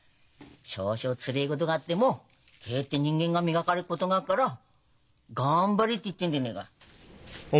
少々つれえことがあってもけえって人間が磨かれることがあっから頑張れって言ってんでねえか。